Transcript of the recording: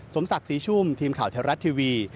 สมศักดิ์ศรีชุ่มทีมข่าวไทยรัฐทีวี